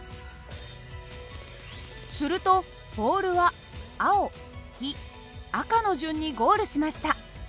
するとボールは青黄色赤の順にゴールしました。